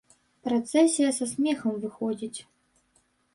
Працэсія са смехам выходзіць.